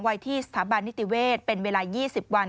ไว้ที่สถาบันนิติเวศเป็นเวลา๒๐วัน